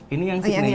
ini yang signature ya